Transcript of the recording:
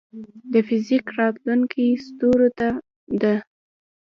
د فزیک راتلونکې ستورو ته ده.